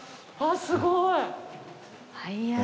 わっすごい！